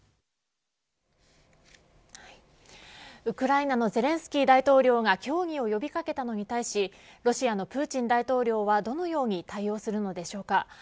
ウクライナのゼレンスキー大統領が協議を呼び掛けたのに対しロシアのプーチン大統領はどのように対応するのでしょうか。